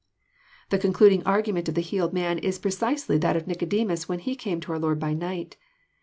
The concluding argument of the healed man is precisely that of Nicodemus, when he came to our Lord by night.